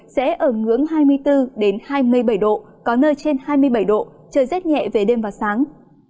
sẽ ở ngưỡng hai mươi bốn hai mươi bảy độ có nơi trên hai mươi bảy độ trời rét nhẹ về đêm và sáng